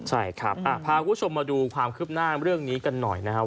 ใช่ครับพาคุณผู้ชมมาดูความคืบหน้าเรื่องนี้กันหน่อยนะครับ